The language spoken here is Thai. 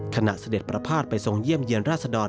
ขณะเสด็จประภาษไปส่งเยี่ยมเยียนราษฎร